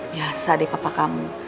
biasa deh papa kamu